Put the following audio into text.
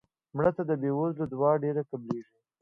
مړه ته د بې وزلو دعا ډېره قبلیږي